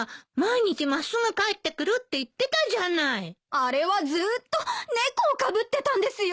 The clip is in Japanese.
あれはずっと猫をかぶってたんですよ。